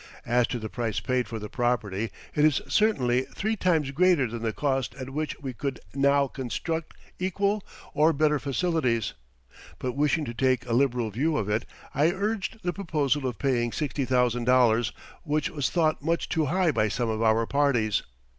As to the price paid for the property, it is certainly three times greater than the cost at which we could now construct equal or better facilities; but wishing to take a liberal view of it, I urged the proposal of paying $60,000, which was thought much too high by some of our parties.